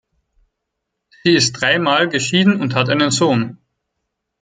Sie ist dreimal geschieden und hat einen Sohn.